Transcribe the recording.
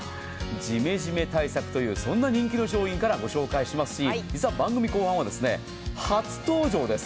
ジメジメ対策というそんな人気の商品からご紹介しますし実は、番組後半は初登場です。